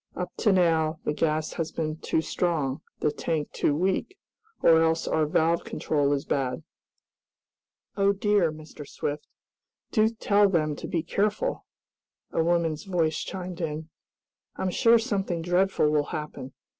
Up to now the gas has been too strong, the tank too weak, or else our valve control is bad." "Oh dear, Mr. Swift! Do tell them to be careful!" a woman's voice chimed in. "I'm sure something dreadful will happen!